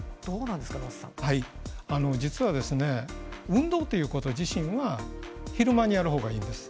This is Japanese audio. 実は運動ということ自体が昼間にやる方がいいんです。